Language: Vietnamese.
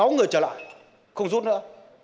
sáu người trở lại không rút nữa